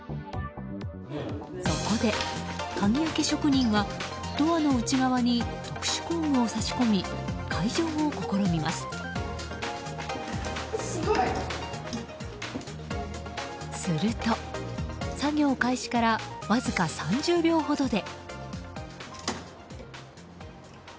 そこで、鍵開け職人はドアの内側に特殊工具を挿し込みすると、作業開始からわずか３０秒ほどで。